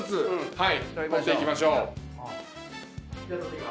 はい。